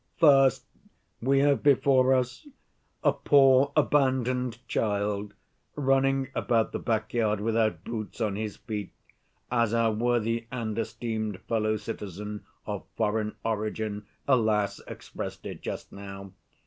"First, we have before us a poor abandoned child, running about the back‐ yard 'without boots on his feet,' as our worthy and esteemed fellow citizen, of foreign origin, alas! expressed it just now.